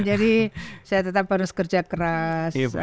jadi saya tetap harus kerja keras